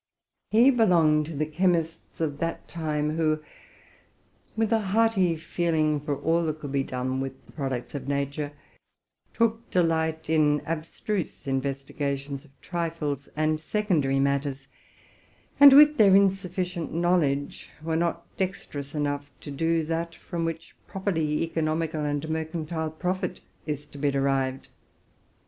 He belonged to the chemists of that time, who, with a hearty 50 TRUTH AND FICTION feeling for all that could be done with the products of na ture, took delight in abstruse investigations of trifles and sec ondary matters, and, with their insufficient knowledge, were not dexterous enough to do that from which properly econom ical and mercantile profit is to be derived.